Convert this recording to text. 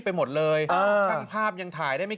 นี่นี่นี่นี่นี่